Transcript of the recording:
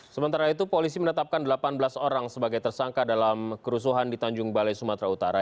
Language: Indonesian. sementara itu polisi menetapkan delapan belas orang sebagai tersangka dalam kerusuhan di tanjung balai sumatera utara